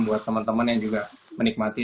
buat temen temen yang juga menikmati